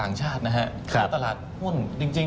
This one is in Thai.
อำนาจชาตินะครับตลาดขุดจริงจริง